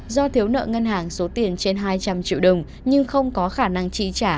do thiếu nợ ngân hàng số tiền trên hai trăm linh triệu đồng nhưng không có khả năng trị trả